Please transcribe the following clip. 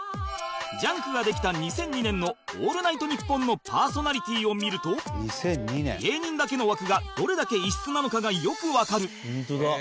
『ＪＵＮＫ』ができた２００２年の『オールナイトニッポン』のパーソナリティーを見ると芸人だけの枠がどれだけ異質なのかがよくわかる